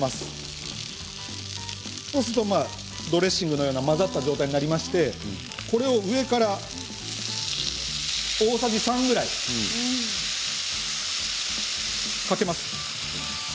そうするとドレッシングのような混ざった状態になりましてこれを上から大さじ３くらいかけます。